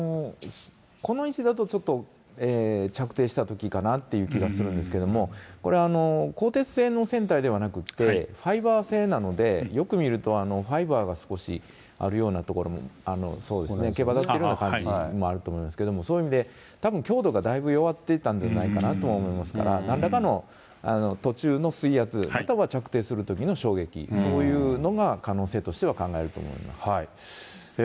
この位置だとちょっと、着底したときかなっていう気がするんですけれども、これ、鋼鉄製の船体ではなくて、ファイバー製なので、よく見ると、ファイバーが少しあるようなところも、毛羽立ってるような感じもあると思いますけれども、そういう意味で、たぶん、強度がだいぶ弱っていたんじゃないかなと思いますから、なんらかの途中の水圧、または着底するときの衝撃、そういうのが可能性としては考えられると思います。